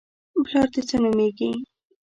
_پلار دې څه نومېږي؟